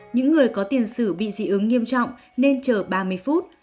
những người có tiền sử bị dị ứng nghiêm trọng nên chờ ba mươi phút